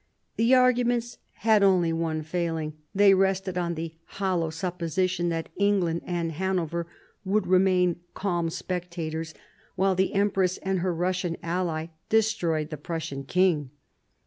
The arguments had only one failing, they rested on the hollow supposition that England and Hanover would remain calm spectators while the empress and her Eussian ally destroyed the Prussian king.